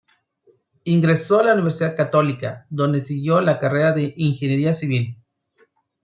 Ingresó a la Universidad Católica, donde siguió la carrera de ingeniería civil.